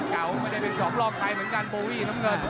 โบวี่นำเงิน